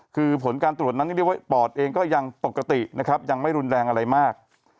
คือผลการตรวจนั้นเรียกว่าปอดเองก็ยังปกตินะครับยังไม่รุนแรงอะไรมาก